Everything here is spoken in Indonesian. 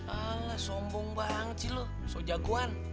alah sombong banget sih lu sok jagoan